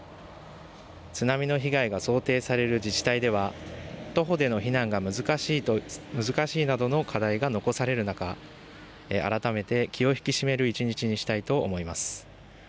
津波の被害が想定される自治体では、徒歩での避難が難しいなどの課題が残される中、改めて気を引き締める一日にしたいと思います。